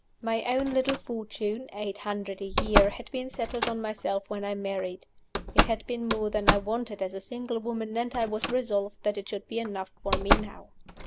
My own little fortune (eight hundred a year) had been settled on myself when I married. It had been more than I wanted as a single woman, and I was resolved that it should be enough for me now.